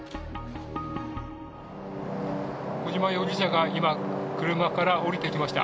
小島容疑者が今、車から降りてきました。